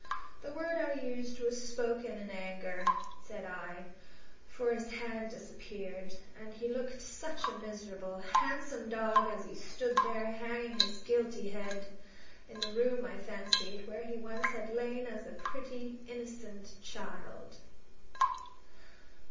"The word I used was spoken in anger," said I; for his had disappeared; and he looked such a miserable, handsome dog as he stood there hanging his guilty head in the room, I fancied, where he once had lain as a pretty, innocent child.